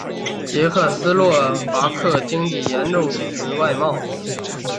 捷克斯洛伐克经济严重依存外贸。